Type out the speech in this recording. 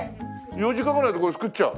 ４時間ぐらいでこれ作っちゃう？